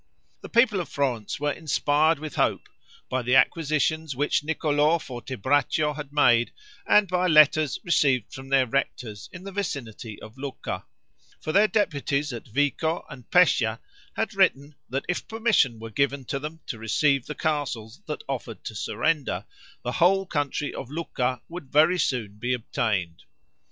The people of Florence were inspired with hope, by the acquisitions which Niccolo Fortebraccio had made, and by letters received from their rectors in the vicinity of Lucca; for their deputies at Vico and Pescia had written, that if permission were given to them to receive the castles that offered to surrender, the whole country of Lucca would very soon be obtained.